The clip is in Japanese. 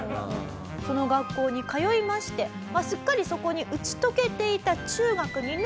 その学校に通いましてすっかりそこに打ち解けていた中学２年生の時にはい。